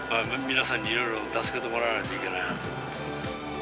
皆さんにいろいろ助けてもらわないといけないなと。